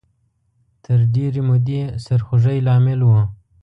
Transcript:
تر ډېرې مودې سرخوږۍ لامل و